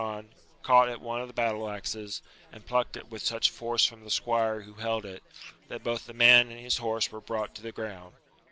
as he past on, caught at one of the battle axes, and plucked it with such force from the squire who held it, that both the man and his horse were brought to the ground.